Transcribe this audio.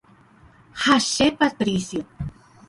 Ha che Patricio.